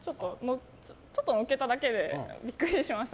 ちょっと載っけただけでビックリしました、